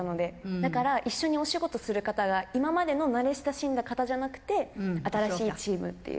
だから、一緒にお仕事する方が、今までの慣れ親しんだ方じゃなくて、新しいチームっていう。